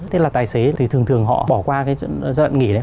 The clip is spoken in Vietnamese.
thế là tài xế thì thường thường họ bỏ qua cái doanh nghiệp đấy